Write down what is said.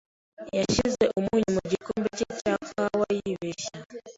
Yashyize umunyu mu gikombe cye cya kawa yibeshya.